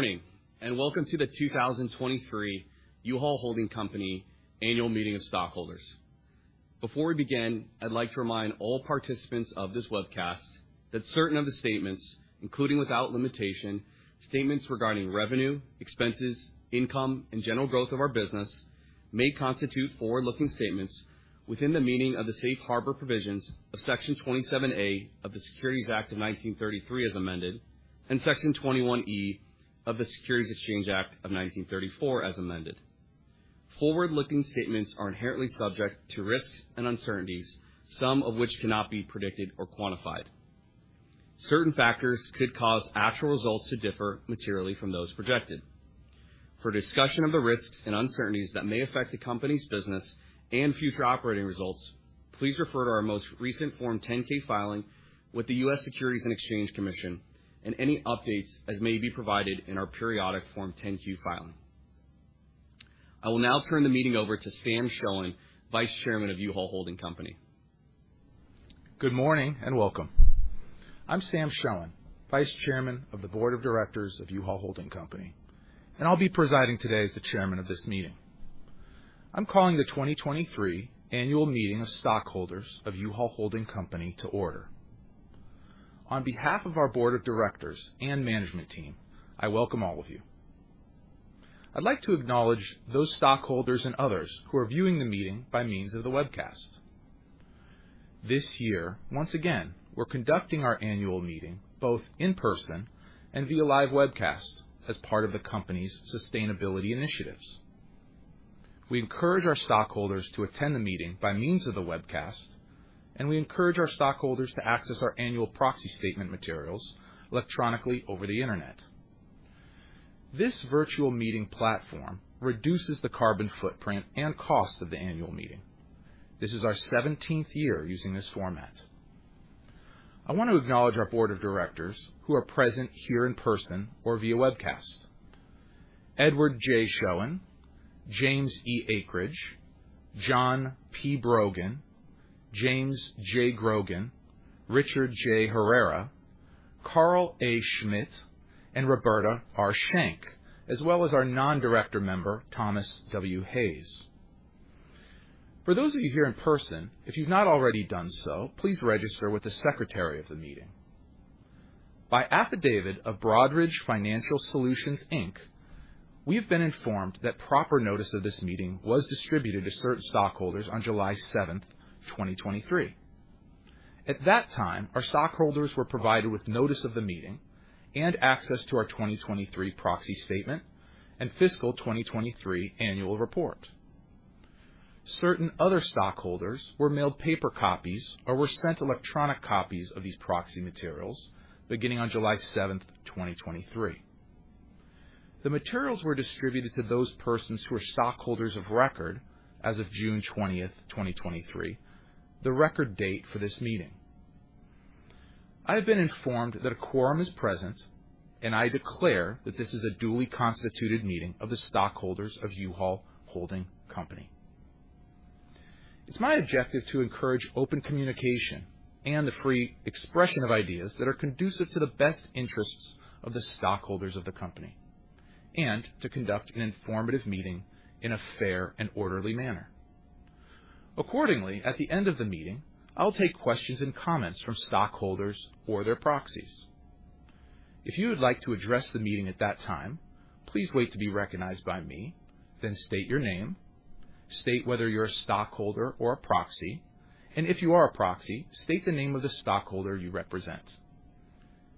Morning, and welcome to the 2023 U-Haul Holding Company Annual Meeting of Stockholders. Before we begin, I'd like to remind all participants of this webcast that certain of the statements, including without limitation, statements regarding revenue, expenses, income, and general growth of our business, may constitute forward-looking statements within the meaning of the safe harbor provisions of Section 27A of the Securities Act of 1933, as amended, and Section 21E of the Securities Exchange Act of 1934, as amended. Forward-looking statements are inherently subject to risks and uncertainties, some of which cannot be predicted or quantified. Certain factors could cause actual results to differ materially from those projected. For a discussion of the risks and uncertainties that may affect the company's business and future operating results, please refer to our most recent Form 10-K filing with the U.S. Securities and Exchange Commission, and any updates as may be provided in our periodic Form 10-Q filing. I will now turn the meeting over to Sam Shoen, Vice Chairman of U-Haul Holding Company. Good morning, and welcome. I'm Sam Shoen, Vice Chairman of the Board of Directors of U-Haul Holding Company, and I'll be presiding today as the chairman of this meeting. I'm calling the 2023 Annual Meeting of Stockholders of U-Haul Holding Company to order. On behalf of our Board of Directors and management team, I welcome all of you. I'd like to acknowledge those stockholders and others who are viewing the meeting by means of the webcast. This year, once again, we're conducting our annual meeting, both in person and via live webcast, as part of the company's sustainability initiatives. We encourage our stockholders to attend the meeting by means of the webcast, and we encourage our stockholders to access our annual proxy statement materials electronically over the Internet. This virtual meeting platform reduces the carbon footprint and cost of the annual meeting. This is our 17th year using this format. I want to acknowledge our Board of Directors who are present here in person or via webcast: Edward J. Shoen, James E. Acridge, John P. Brogan, James J. Grogan, Richard J. Herrera, Karl A. Schmidt, and Roberta R. Shank, as well as our non-director member, Thomas W. Hayes. For those of you here in person, if you've not already done so, please register with the secretary of the meeting. By affidavit of Broadridge Financial Solutions, Inc., we have been informed that proper notice of this meeting was distributed to certain stockholders on July 7, 2023. At that time, our stockholders were provided with notice of the meeting and access to our 2023 proxy statement and fiscal 2023 annual report. Certain other stockholders were mailed paper copies or were sent electronic copies of these proxy materials beginning on July 7, 2023. The materials were distributed to those persons who are stockholders of record as of June 20, 2023, the record date for this meeting. I have been informed that a quorum is present, and I declare that this is a duly constituted meeting of the stockholders of U-Haul Holding Company. It's my objective to encourage open communication and the free expression of ideas that are conducive to the best interests of the stockholders of the company and to conduct an informative meeting in a fair and orderly manner. Accordingly, at the end of the meeting, I'll take questions and comments from stockholders or their proxies. If you would like to address the meeting at that time, please wait to be recognized by me, then state your name, state whether you're a stockholder or a proxy, and if you are a proxy, state the name of the stockholder you represent.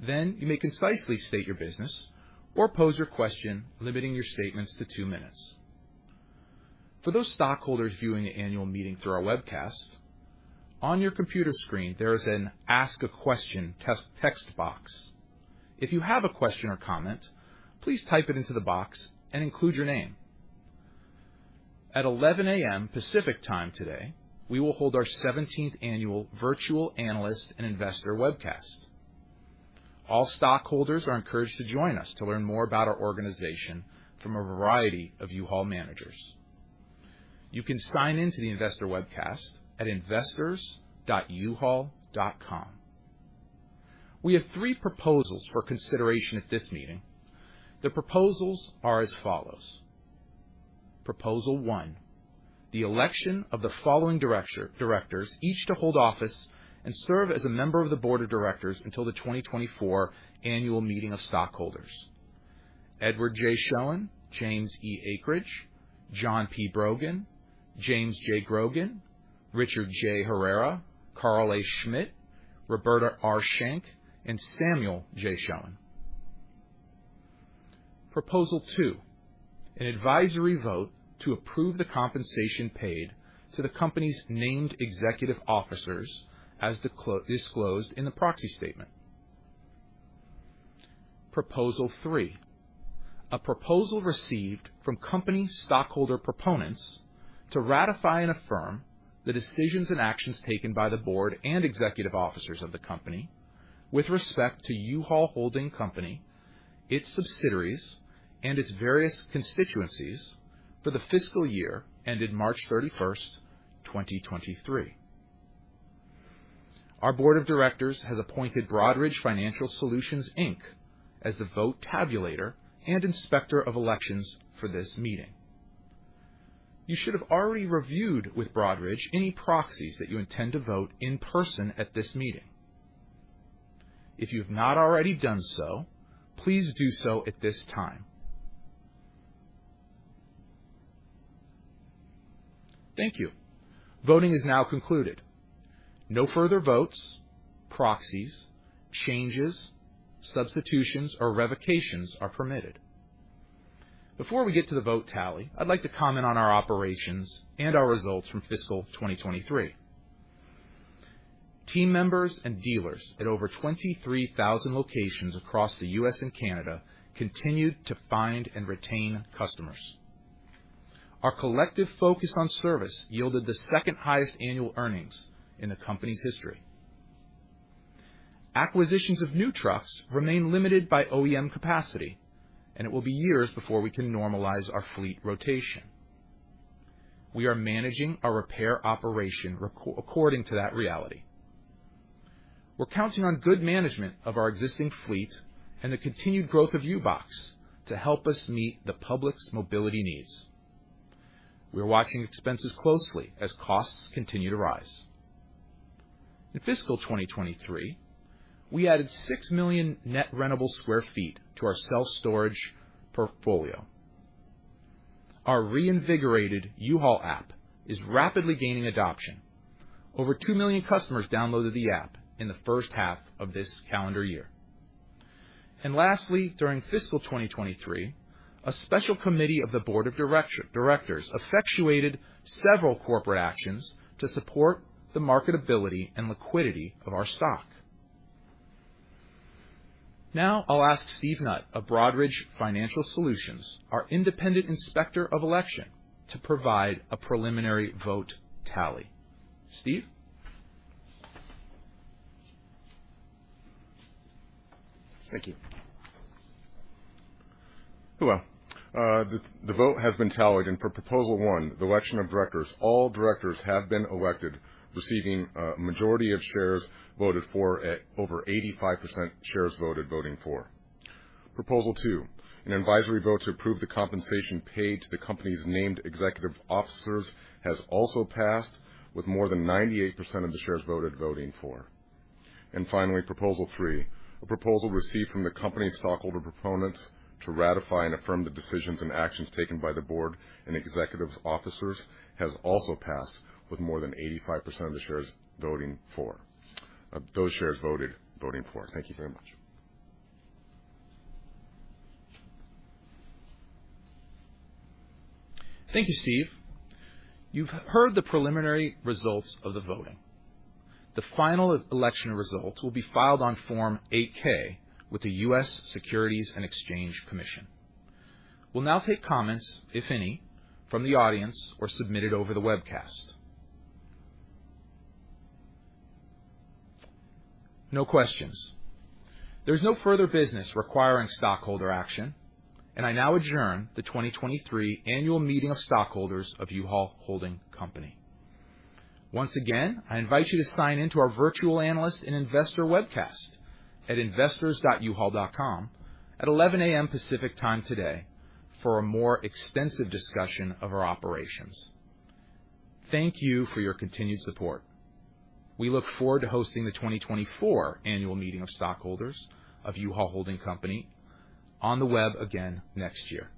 You may concisely state your business or pose your question, limiting your statements to two minutes. For those stockholders viewing the annual meeting through our webcast, on your computer screen, there is an Ask a Question test, text box. If you have a question or comment, please type it into the box and include your name. At 11:00 A.M. Pacific Time today, we will hold our 17th Annual Virtual Analyst and Investor Webcast. All stockholders are encouraged to join us to learn more about our organization from a variety of U-Haul managers. You can sign in to the investor webcast at investors.uhaul.com. We have three proposals for consideration at this meeting. The proposals are as follows: Proposal one, the election of the following director, directors, each to hold office and serve as a member of the Board of Directors until the 2024 Annual Meeting of Stockholders: Edward J. Shoen, James E. Acridge, John P. Brogan, James J. Grogan, Richard J. Herrera, Karl A. Schmidt, Roberta R. Shank, and Samuel J. Shoen. Proposal two, an advisory vote to approve the compensation paid to the company's named executive officers as disclosed in the proxy statement. Proposal 3, a proposal received from company stockholder proponents to ratify and affirm the decisions and actions taken by the board and executive officers of the company with respect to U-Haul Holding Company, its subsidiaries, and its various constituencies for the fiscal year ended March 31st, 2023. Our Board of Directors has appointed Broadridge Financial Solutions, Inc, as the vote tabulator and inspector of elections for this meeting. You should have already reviewed with Broadridge any proxies that you intend to vote in person at this meeting. If you've not already done so, please do so at this time. Thank you. Voting is now concluded. No further votes, proxies, changes, substitutions, or revocations are permitted. Before we get to the vote tally, I'd like to comment on our operations and our results from fiscal 2023. Team members and dealers at over 23,000 locations across the U.S. and Canada, continued to find and retain customers. Our collective focus on service yielded the second-highest annual earnings in the company's history. Acquisitions of new trucks remain limited by OEM capacity, it will be years before we can normalize our fleet rotation. We are managing our repair operation according to that reality. We're counting on good management of our existing fleet and the continued growth of U-Box to help us meet the public's mobility needs. We're watching expenses closely as costs continue to rise. In fiscal 2023, we added 6 million net rentable sq ft to our self-storage portfolio. Our reinvigorated U-Haul app is rapidly gaining adoption. Over 2 million customers downloaded the app in the first half of this calendar year. Lastly, during fiscal 2023, a special committee of the Board of Directors effectuated several corporate actions to support the marketability and liquidity of our stock. Now, I'll ask Steve Nutt of Broadridge Financial Solutions, our independent inspector of election, to provide a preliminary vote tally. Steve? Thank you. Hello. The, the vote has been tallied, and for Proposal 1, the election of directors, all directors have been elected, receiving a majority of shares voted for, at over 85% shares voted, voting for. Proposal 2, an advisory vote to approve the compensation paid to the company's named executive officers, has also passed, with more than 98% of the shares voted, voting for. Finally, Proposal 3, a proposal received from the company's stockholder proponents to ratify and affirm the decisions and actions taken by the board and executive officers, has also passed, with more than 85% of the shares voting for. Those shares voted, voting for. Thank you very much. Thank you, Steve. You've heard the preliminary results of the voting. The final election results will be filed on Form 8-K with the U.S. Securities and Exchange Commission. We'll now take comments, if any, from the audience or submitted over the webcast. No questions. There's no further business requiring stockholder action, and I now adjourn the 2023 Annual Meeting of Stockholders of U-Haul Holding Company. Once again, I invite you to sign in to our virtual analyst and investor webcast at investors.uhaul.com at 11:00 A.M. Pacific Time today for a more extensive discussion of our operations. Thank you for your continued support. We look forward to hosting the 2024 Annual Meeting of Stockholders of U-Haul Holding Company on the web again next year.